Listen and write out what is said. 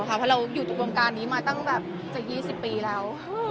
เราอยู่สลงการสัก๒๐ปีแล้ว